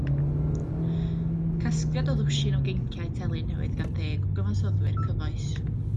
Casgliad o ddwsin o geinciau telyn newydd gan ddeg o gyfansoddwyr cyfoes.